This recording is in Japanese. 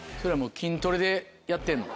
筋トレでやってんの？